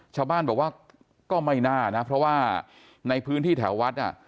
ชาวบ้านบอกว่าก็ไม่น่านะเพราะว่าในพื้นที่แถววัดอ่ะ